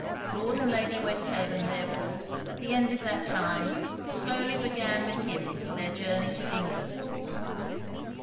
Lord and Lady Westhaven, therefore, at the end of that time, slowly began with him their journey to England.